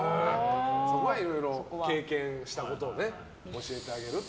そこはいろいろ経験したことを教えてあげるという。